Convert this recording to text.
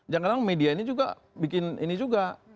jangan jangan media ini juga bikin ini juga